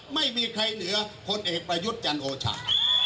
ไม่มีใครเหนือพลเอกประยุทธ์จันโอชา